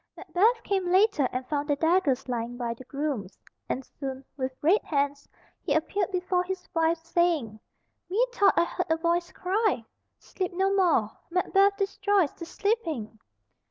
Macbeth came later, and found the daggers lying by the grooms; and soon with red hands he appeared before his wife, saying, "Methought I heard a voice cry, 'Sleep no more! Macbeth destroys the sleeping.'"